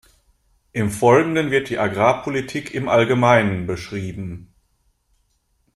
Im Folgenden wird die Agrarpolitik im Allgemeinen beschrieben.